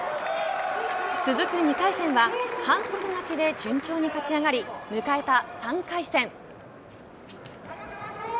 続く２回戦は反則勝ちで順調に勝ち上がり迎えた３回戦。